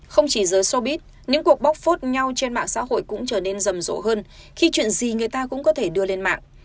không chỉ giới sobit những cuộc bóc phốt nhau trên mạng xã hội cũng trở nên rầm rộ hơn khi chuyện gì người ta cũng có thể đưa lên mạng